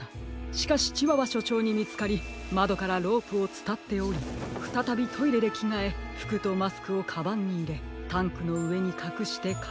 しかしチワワしょちょうにみつかりまどからロープをつたっておりふたたびトイレできがえふくとマスクをカバンにいれタンクのうえにかくしてか